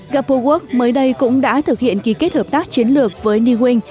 gapowork mới đây cũng đã thực hiện kỳ kết hợp tác chiến lược với new wing